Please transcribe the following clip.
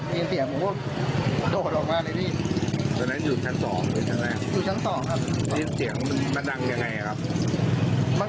ยินเสียงโอ้โหโดดออกมาเลยนี่ตอนนั้นอยู่ชั้นสองหรือชั้นแรก